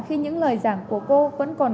khi những lời giảng của cô vẫn còn